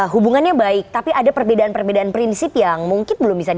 hubungannya baik tapi ada perbedaan perbedaan prinsip yang mungkin belum bisa di